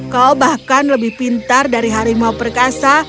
kau bahkan lebih pintar dari harimau perkasa